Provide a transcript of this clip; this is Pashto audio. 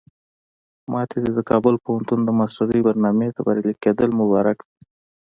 ماته دې د کابل پوهنتون د ماسترۍ برنامې ته بریالي کېدل مبارک وي.